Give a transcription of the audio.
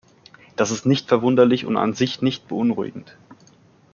Das ist nicht verwunderlich und an sich nicht beunruhigend.